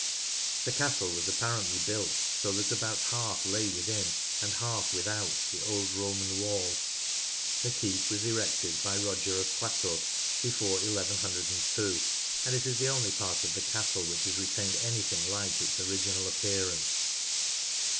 The castle was apparently built so that about half lay within and half without the old Roman wall. The keep was erected by Roger of Poitou before 1102, and it is the only part of the castle which has retained anything like its original appearance.